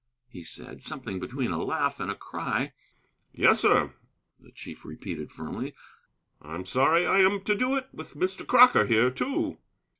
he said, something between a laugh and a cry. "Yes, sir," the chief repeated firmly. "It's sorry I am to do it, with Mr. Crocker here, too."